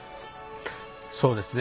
そうですね。